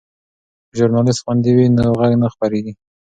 که ژورنالیست خوندي وي نو غږ نه خپیږي.